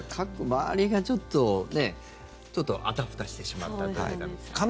周りがちょっとあたふたしてしまったというか。